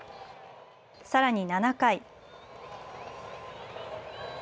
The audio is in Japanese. さらに７回。